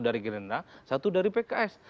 dari gerindra satu dari pks